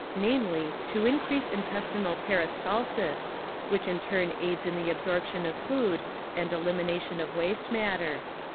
ni namely to increase intestinal peristalsis which in turn aids in the absorption of food and elimination of waste matter.